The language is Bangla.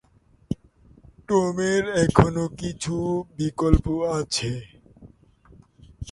টমের এখনও কিছু বিকল্প আছে।